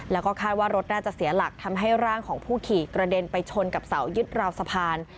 แล้วก็คาดว่ารถน่าจะเสียหลักทำให้ร่างของผู้ขี่กระเด็นไปชนกับเสายึดราวสะพาน